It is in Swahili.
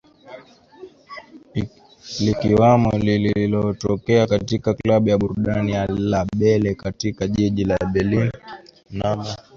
likiwamo lililotokea katika klabu ya burudani ya La Belle katika jiji la Berlin mnamo